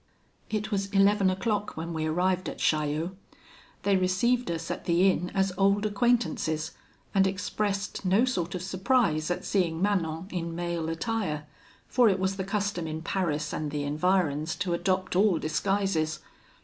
"It was eleven o'clock when we arrived at Chaillot. They received us at the inn as old acquaintances, and expressed no sort of surprise at seeing Manon in male attire, for it was the custom in Paris and the environs to adopt all disguises.